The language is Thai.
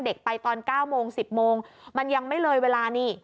ผู้ดูว่าเด็กไปตอน๙๑๐โมงมันยังไม่เลยเวลานี่